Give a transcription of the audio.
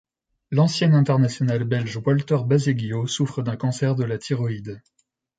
L'ancien international belge Walter Baseggio souffre d'un cancer de la thyroïde.